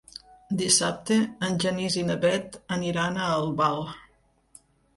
Dissabte en Genís i na Bet aniran a Albal.